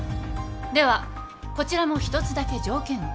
ではこちらも１つだけ条件を。